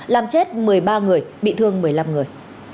làm chết một mươi ba người bị thương một mươi năm người